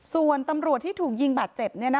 ส่วนตำรวจที่ถูกยิงบาดเจ็บ